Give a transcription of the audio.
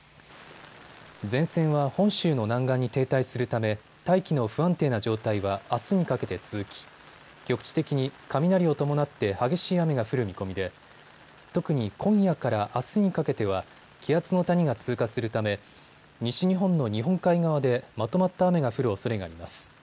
前線は本州の南岸に停滞するため大気の不安定な状態はあすにかけて続き局地的に雷を伴って激しい雨が降る見込みで特に今夜からあすにかけては気圧の谷が通過するため西日本の日本海側でまとまった雨が降るおそれがあります。